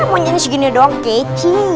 yaa monyetnya segini doang keci